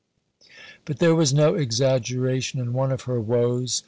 But there was no exaggeration in one of her woes.